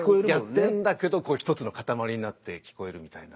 やってんだけど１つのかたまりになって聞こえるみたいな。